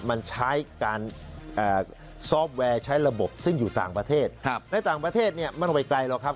มันใช้การซอฟต์แวร์ใช้ระบบซึ่งอยู่ต่างประเทศในต่างประเทศเนี่ยไม่ต้องไปไกลหรอกครับ